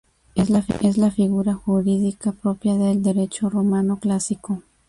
Es una figura jurídica propia del Derecho romano clásico.